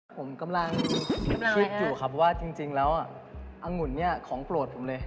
ผมกำลังคิดอยู่ครับว่าจริงแล้วอังุ่นเนี่ยของโปรดผมเลย